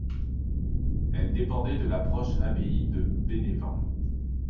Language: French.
Elle dépendait de la proche abbaye de Bénévent.